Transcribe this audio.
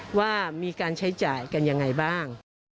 ว่ามีการใช้จ่ายกันยังไงบ้าง